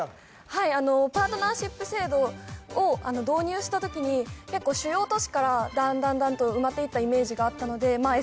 はいパートナーシップ制度を導入した時に結構主要都市からダンダンダンと埋まっていったイメージがあったのでまあＳＤＧｓ